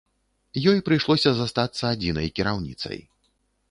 Ёй прыйшлося застацца адзінай кіраўніцай.